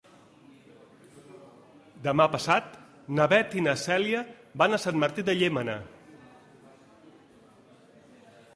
Demà passat na Beth i na Cèlia van a Sant Martí de Llémena.